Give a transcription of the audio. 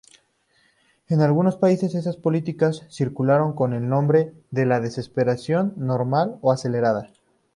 En algunos países esas políticas circulan con el nombre de "depreciación", normal o acelerada.